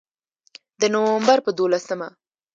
د نومبر په دولسمه